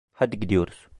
Hadi gidiyoruz.